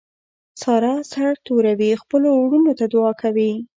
ساره سر سرتوروي خپلو ورڼو ته دعاکوي.